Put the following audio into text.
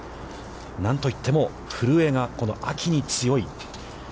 何といっても、古江がこの秋に強い。